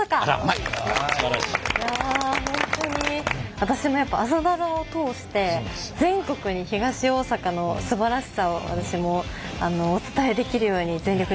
私もやっぱ「朝ドラ」を通して全国に東大阪のすばらしさを私もお伝えできるように全力で頑張りたいなと。